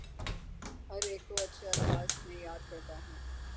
ہر ایک کو اچھے الفاظ میں یاد کرتا ہوں